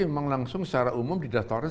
memang langsung secara umum didatori